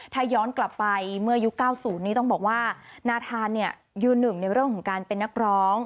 ถ้าย้อนกลับไปเมื่อยุค๙๐นี้ต้องบอกว่านาธานยืนหนึ่งในเรื่องของการเป็นนักร้อง